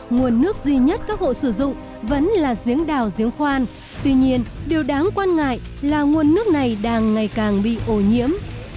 nguồn nước duy nhất các hộ sử dụng vẫn là giếng đào giếng khoan tuy nhiên điều đáng quan ngại là nguồn nước này đang ngày càng bị ô nhiễm